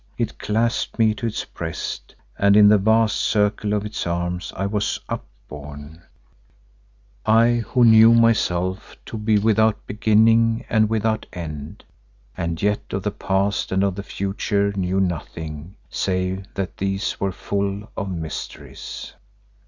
It clasped me to its breast and in the vast circle of its arms I was up borne, I who knew myself to be without beginning and without end, and yet of the past and of the future knew nothing, save that these were full of mysteries.